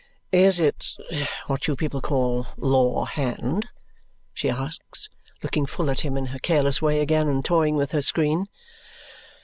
"Is it what you people call law hand?" she asks, looking full at him in her careless way again and toying with her screen.